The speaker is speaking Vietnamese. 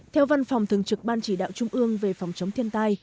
theo văn phòng thường trực ban chỉ đạo trung ương về phòng chống thiên tai